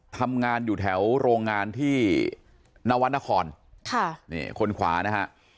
ทำงานอยู่แถวโรงงานที่นวรรณครค่ะนี่คนขวานะฮะ